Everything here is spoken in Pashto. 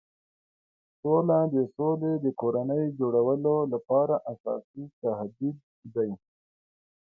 سوله د سولې د کورنۍ جوړولو لپاره اساسي تهدید دی.